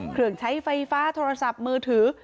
เครื่องใช้ไฟฟ้าโทรศัพท์มือถือ